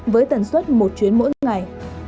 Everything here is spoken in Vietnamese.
với tần suất một chuyến mỗi ngày